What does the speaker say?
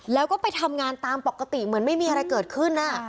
แล้วก็ไปทำงานตามปกติเหมือนไม่มีอะไรเกิดขึ้น